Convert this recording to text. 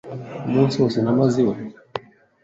Umunsi wose namaze iwe.